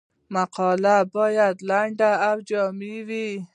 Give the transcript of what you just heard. مقالې باید لنډې او جامع وي.